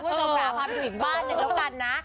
คุณผู้ชมค่ะพาไปดูอีกบ้านหนึ่งแล้วกันนะ